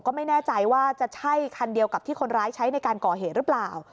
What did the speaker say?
ก็ไม่แน่ใจว่าจะใช่คันเดียวกับที่คนร้ายใช้ในการก่อเหตุหรือเปล่า